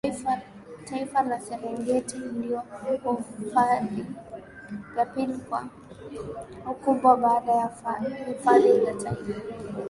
Taifa ya Serengeti ndio hifadhi ya pili kwa ukubwa baada ya hifadhi ya Taifa